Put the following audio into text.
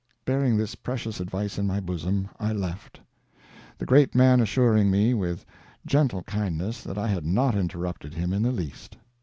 Bearing this precious advice in my bosom, I left; the great man assuring me with gentle kindness that I had not interrupted him in the least.